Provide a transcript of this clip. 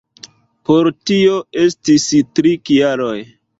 Por tio estis tri kialoj.